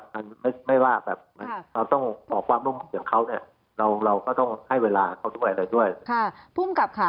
มันไม่ว่าแบบเราต้องขอความร่วมมืออย่างเขาเนี่ยเราเราก็ต้องให้เวลาเขาด้วยอะไรด้วยค่ะภูมิกับค่ะ